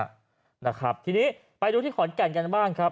ที่นะครับทีนี้ไปดูที่ขอนแก่งก่อนใบ้บ้างครับ